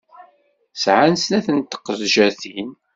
Sɛan snat n teqjatin.